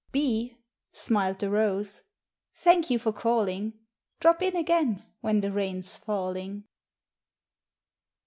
"Bee," smiled the rose, "Thank you for calling; Drop in again When the rain's falling."